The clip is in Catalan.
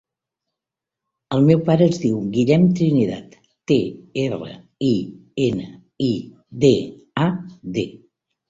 El meu pare es diu Guillem Trinidad: te, erra, i, ena, i, de, a, de.